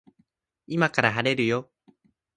今から晴れるよ